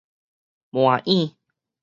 麻芛